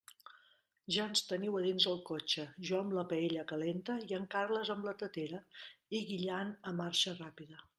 Ja ens teniu a dins el cotxe, jo amb la paella calenta i en Carles amb la tetera i guillant a marxa ràpida.